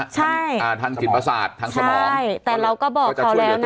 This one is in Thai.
ใช่อ่าทางจิตประสาททางสมองใช่แต่เราก็บอกเขาแล้วนะ